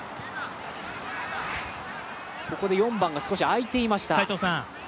ここで４番が少し空いていました。